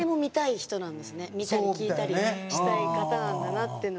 見たり聞いたりしたい方なんだなっていうのは。